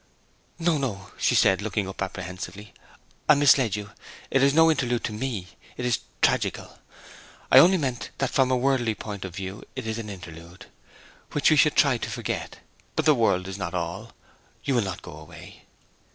'No, no!' she said, looking up apprehensively. 'I misled you. It is no interlude to me, it is tragical. I only meant that from a worldly point of view it is an interlude, which we should try to forget. But the world is not all. You will not go away?'